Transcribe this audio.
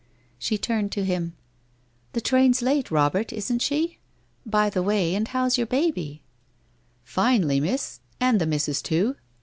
She turned to him: 'The train's late, Robert, isn't she? By the way, and how's your baby ?' 1 Finely, Miss, and the missus, too.